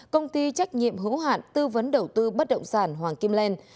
công ty trách nhiệm hữu hạn tư vấn đầu tư bất động sản hoàng kim lên